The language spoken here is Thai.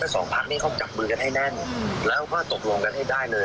สองพักนี้เขาจับมือกันให้แน่นแล้วก็ตกลงกันให้ได้เลย